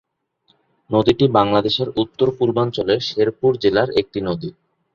নদীটি বাংলাদেশের উত্তর-পূর্বাঞ্চলের শেরপুর জেলার একটি নদী।